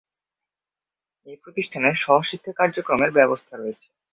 এ প্রতিষ্ঠানে সহ-শিক্ষা কার্যক্রমের ব্যবস্থা রয়েছে।